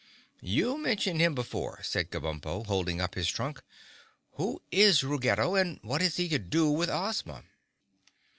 "You mentioned him before," said Kabumpo, holding up his trunk. "Who is Ruggedo and what has he to do with Ozma?"